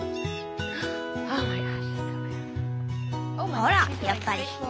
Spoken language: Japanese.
ほらやっぱり。